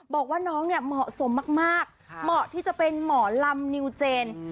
บอกว่าน้องเนี่ยเหมาะสมมากเหมาะที่จะเป็นหมอลำนิวเจน